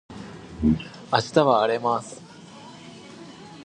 明日は荒れます